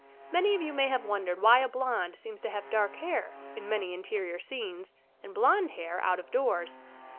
Many of you may have wondered why a blond seems to have dark hair in many interior scenes and blond hair out of doors.